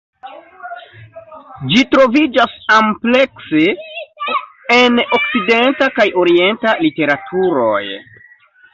Ĝi troviĝas amplekse en okcidenta kaj orienta literaturoj.